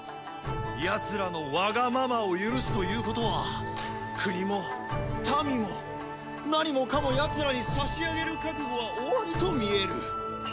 やつらのワガママを許すということは国も民も何もかもやつらに差し上げる覚悟がおありと見える。